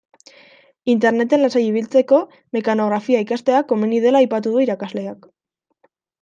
Interneten lasai ibiltzeko mekanografia ikastea komeni dela aipatu du irakasleak.